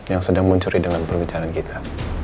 yang sedang mencuri dengan perbicaraan kita